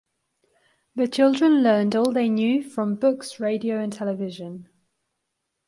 The children learned all they knew from books, radio, and television.